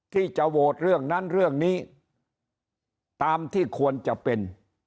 ที่จะโหวตเรื่องนั้นเรื่องนี้ตามที่ควรจะเป็น